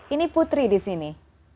ini putri di sini